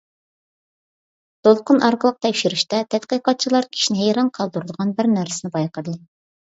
دولقۇن ئارقىلىق تەكشۈرۈشتە تەتقىقاتچىلار كىشىنى ھەيران قالدۇرىدىغان بىرنەرسىنى بايقىدى.